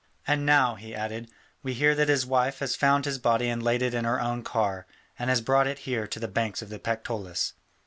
And now," he added, "we hear that his wife has found his body and laid it in her own car, and has brought it here to the banks of the Pactolus.